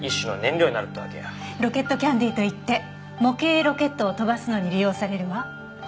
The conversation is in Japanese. ロケットキャンディーといって模型ロケットを飛ばすのに利用されるわ。